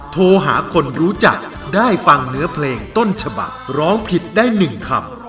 โทรหาคนรู้จักได้ฟังเนื้อเพลงต้นฉบักร้องผิดได้๑คำ